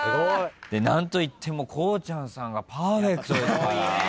何といってもこうちゃんさんがパーフェクトですから。